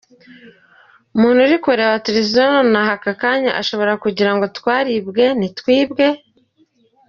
Umuntu uri kureba Televiziyo kano kanya ashobora kugira ngo twaribwe ntitwibwe!!”.